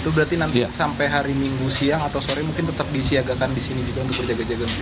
itu berarti nanti sampai hari minggu siang atau sore mungkin tetap disiagakan di sini juga untuk berjaga jaga